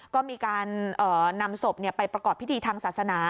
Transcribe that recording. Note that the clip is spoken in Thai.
ก็มีการนำศพไปประกอบพิธีทางศาสนา